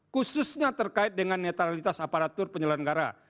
khususnya terkait dengan netralitas aparatur penyelenggara